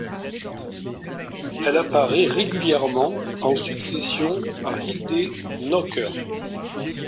Elle apparaît régulièrement en succession à Hilde Nocker.